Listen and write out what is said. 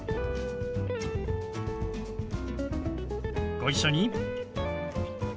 ご一緒に。